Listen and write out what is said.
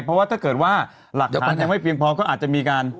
เพราะถ้าเกิดว่าหลักค้าแผงไม่มีพร้อมก็อาจจะมีการ